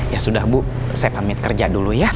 ya sudah bu saya pamit kerja dulu ya